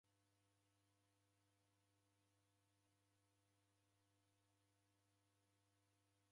Vilongozi w'ose w'eka ikwanyikonyi